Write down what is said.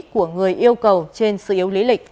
của người yêu cầu trên sự yếu lý lịch